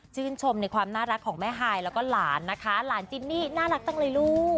ชมในความน่ารักของแม่ฮายแล้วก็หลานนะคะหลานจินนี่น่ารักจังเลยลูก